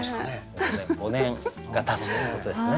もうね５年がたつということですね。